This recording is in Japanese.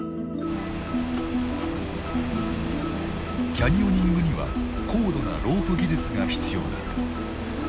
キャニオニングには高度なロープ技術が必要だ。